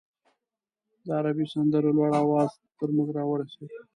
د عربي سندرو لوړ اواز تر موږ راورسېد.